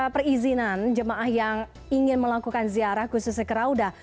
perizinan jemaah yang ingin melakukan ziarah khususnya kerauda